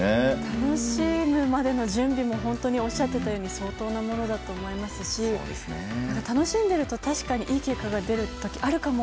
楽しむまでの準備も本当に、おっしゃってたように相当なものだと思いますし楽しんでいると確かにいい結果が出る時あるかも！